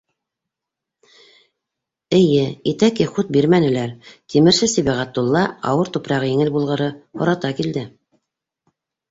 Эйе, итәки хут бирмәнеләр, тимерсе Сибәғәтулла, ауыр тупрағы еңел булғыры, һората килде.